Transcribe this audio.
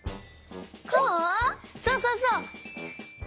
そうそうそう！